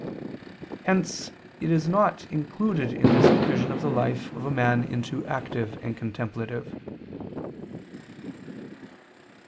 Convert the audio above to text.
Hence it is not included in this division of the life of a man into active and contemplative.